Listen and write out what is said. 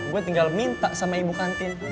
gue tinggal minta sama ibu kantin